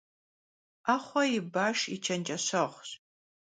'exhue yi başş yi çenceşeğuş.